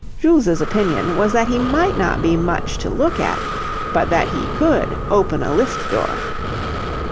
Jules' opinion was that he might not be much to look at, but that he could open a lift door.